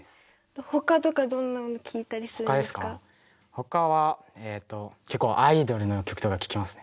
ほかはえっと結構アイドルの曲とか聴きますね。